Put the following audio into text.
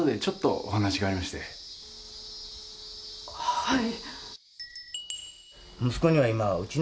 はい。